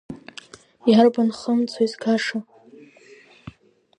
Иарбан хымцоу изгаша?!